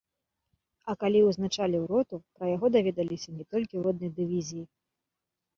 А калі ўзначаліў роту, пра яго даведаліся не толькі ў роднай дывізіі.